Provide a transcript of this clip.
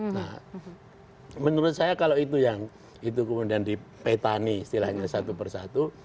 nah menurut saya kalau itu yang itu kemudian dipetani istilahnya satu persatu